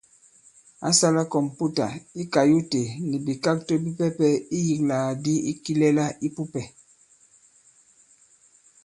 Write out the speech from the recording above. Ǎ sālā kɔ̀mputà i kayute nì bìkakto bipɛpɛ iyīklàgàdi kilɛla ī pupɛ̀.